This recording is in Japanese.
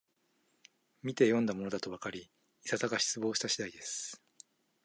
みてよんだものだとわかり、いささか失望した次第です